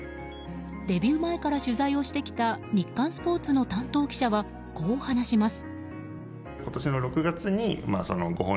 デビュー前から取材をしてきた日刊スポーツの担当記者はこう話します。